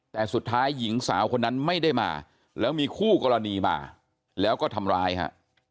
แต่สุดท้ายหญิงสาวคนนั้นไม่ได้มาแล้วมีคู่กรณีมาแล้วก็ทำร้ายฮะ